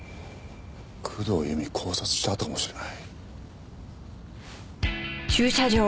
工藤由美を絞殺した跡かもしれない。